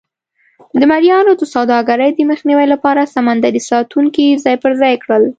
د مریانو د سوداګرۍ د مخنیوي لپاره سمندري ساتونکي ځای پر ځای کړل.